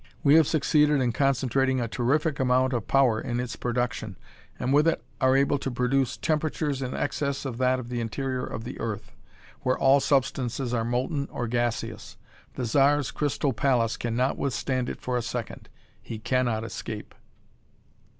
We have succeeded in concentrating a terrific amount of power in its production, and with it are able to produce temperatures in excess of that of the interior of the earth, where all substances are molten or gaseous. The Zar's crystal palace cannot withstand it for a second. He cannot escape!"